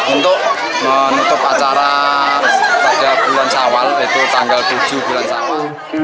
untuk menutup acara pada bulan sawal yaitu tanggal tujuh bulan sawal